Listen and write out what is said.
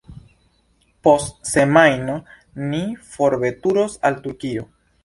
Post semajno ni forveturos al Turkio.